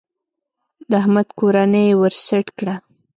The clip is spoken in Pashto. د احمد کورنۍ يې ور سټ کړه.